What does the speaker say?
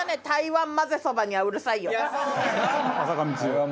台湾まぜそばにはうるさいよ。